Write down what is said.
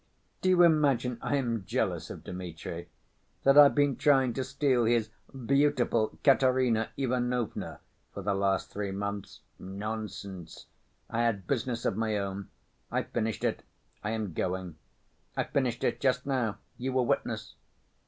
Do you imagine I am jealous of Dmitri, that I've been trying to steal his beautiful Katerina Ivanovna for the last three months? Nonsense, I had business of my own. I finished it. I am going. I finished it just now, you were witness."